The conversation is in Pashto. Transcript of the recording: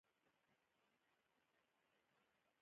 دا د بازار موندنې بورډ له لوري وو.